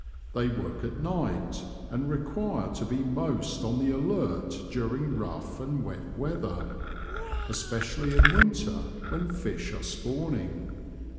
They work at night, and require to be most on the alert during rough and wet weather ; especially in winter when fish are spawning.